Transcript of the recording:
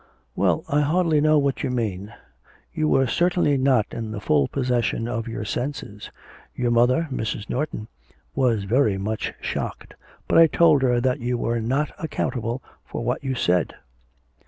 ... Well, I hardly know what you mean. You were certainly not in the full possession of your senses. Your mother (Mrs. Norton) was very much shocked, but I told her that you were not accountable for what you said.'